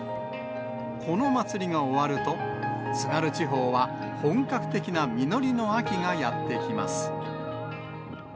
この祭りが終わると、津軽地方は本格的な実りの秋がやって来ます。